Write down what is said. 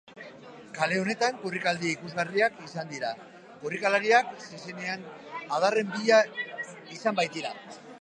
Kale honetan korrikaldi ikusgarriak izan dira, korrikalariak zezenen adarren bila izan baitira.